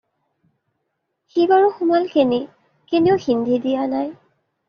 সি বাৰু সোমাল কেনি! কেনিও সিন্ধি দিয়া নাই।